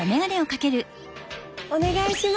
お願いします。